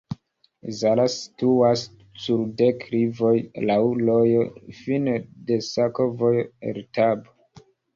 Zala situas sur deklivoj, laŭ rojo, fine de sakovojo el Tab.